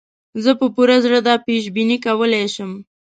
زه په پوره زړه دا پېش بیني کولای شم.